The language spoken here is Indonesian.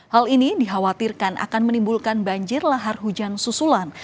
hal ini dikhawatirkan akan menimbulkan banjir lahar hujan susulan